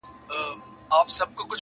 • تر ماښامه پوري لویه هنگامه سوه -